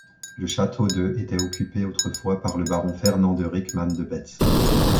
Le château de était occupé autrefois par le baron Fernand de Ryckman de Betz.